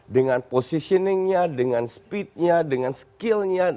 dengan posisi dengan kecepatan dengan kemampuan